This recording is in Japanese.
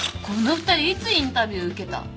この二人いつインタビュー受けた！？